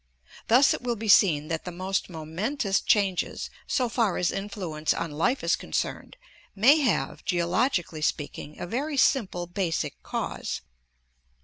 Thus it will be seen that the most momentous changes so far as influence on life is concerned may have, geologically speaking, a very simple basic cause.